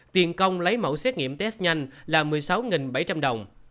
tiền công lấy mẫu xét nghiệm test nhanh là một mươi sáu bảy trăm linh đồng